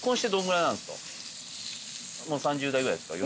もう３０代ぐらいですか？